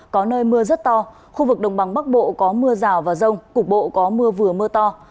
có nơi mưa rất to khu vực đồng bằng bắc bộ có mưa rào và rông cục bộ có mưa vừa mưa to